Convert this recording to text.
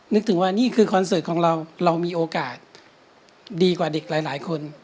นึกถึงว่านี่คือคอนเสิร์ตของเราเรามีโอกาสดีกว่าเด็กหลายคน